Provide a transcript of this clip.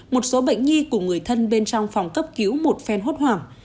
một số bệnh nhi cùng người thân bên trong phòng cấp cứu một phen hốt hoảng